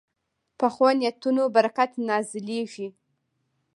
پخو نیتونو برکت نازلېږي